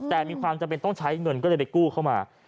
แต่มีความจำเป็นต้องใช้เงินก็เลยไปกู้เข้ามา